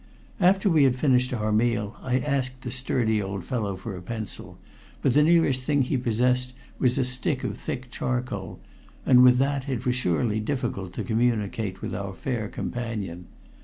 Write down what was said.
After we had finished our meal, I asked the sturdy old fellow for a pencil, but the nearest thing he possessed was a stick of thick charcoal, and with that it was surely difficult to communicate with our fair companion.